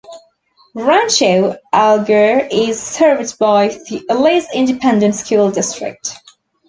Rancho Alegre is served by the Alice Independent School District.